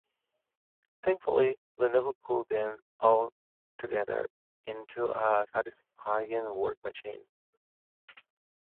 Thankfully, Lenovo pulled them all together into a satisfying work machine.